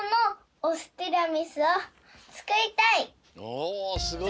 おすごい！